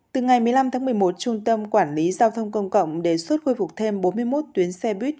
từ ngày một mươi năm tháng một mươi một trung tâm quản lý giao thông công cộng đề xuất khôi phục thêm bốn mươi một tuyến xe buýt